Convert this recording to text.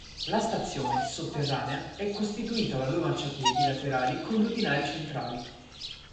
La stazione, sotterranea, è costituita da due marciapiedi laterali con due binari centrali.